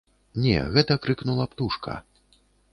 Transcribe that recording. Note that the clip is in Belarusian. Не, гэта крыкнула птушка.